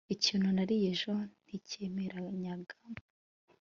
ikintu nariye ejo nticyemeranyaga